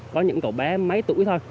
có những cậu bé mấy tuổi thôi